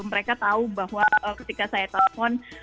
mereka tahu bahwa ketika saya telepon